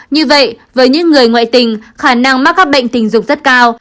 như vậy với những người ngoại tình khả năng mắc các bệnh tình dục rất cao